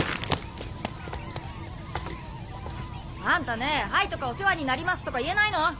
あんたね「はい」とか「お世話になります」とか言えないの？